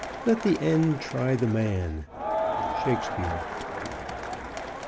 Let the end try the man. _Shakespeare.